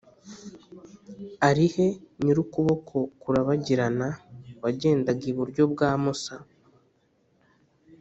ari he nyir’ukuboko kurabagirana, wagendaga iburyo bwa musa,